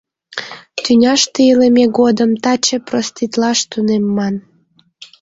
Тӱняште илыме годым таче проститлаш тунемман.